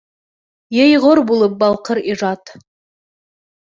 ЙӘЙҒОР БУЛЫП БАЛҠЫР ИЖАД